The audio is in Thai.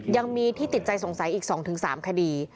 ยังมีที่ติดใจสงสัยอีก๒๓คดี